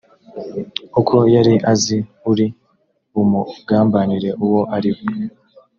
uko yari azi uri bumugambanire uwo ari we